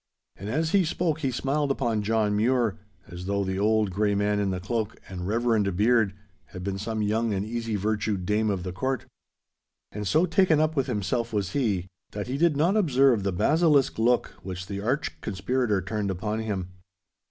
And as he spoke he smiled upon John Mure, as though the old grey man in the cloak and reverend beard had been some young and easy virtued dame of the Court. And so taken up with himself was he, that he did not observe the basilisk look which the arch conspirator turned upon him.